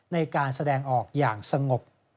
ในการแสดงออกอย่างสงบ